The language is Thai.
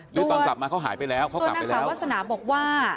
หรือตอนกลับมาเขาหายไปแล้วเขากลับไปแล้วสาววาสนาบอกว่า